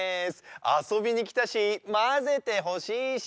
あそびにきたしまぜてほしいし。